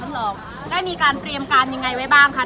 ถ้าลองเห็นวันที่ติดเข้า